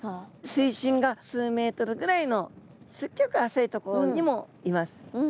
水深が数ｍぐらいのすっギョく浅い所にもいます。